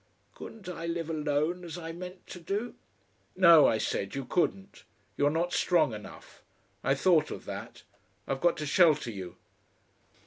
"Couldn't I live alone as I meant to do?" "No," I said, "you couldn't. You're not strong enough. I've thought of that; I've got to shelter you."